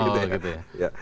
oh gitu ya